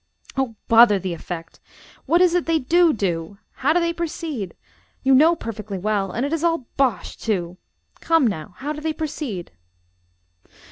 "Oh, bother the effect! What is it they do do? How do they proceed? You know perfectly well and it is all bosh, too. Come, now, how do they proceed?"